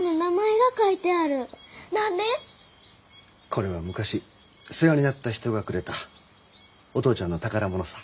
これは昔世話になった人がくれたお父ちゃんの宝物さ。